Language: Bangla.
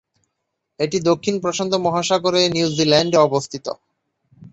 এটি দক্ষিণ প্রশান্ত মহাসাগরে নিউজিল্যান্ডে অবস্থিত।